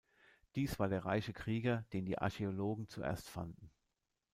Dies war der reiche Krieger, den die Archäologen zuerst fanden.